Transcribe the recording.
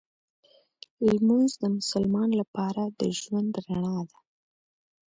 لمونځ د مسلمان لپاره د ژوند رڼا ده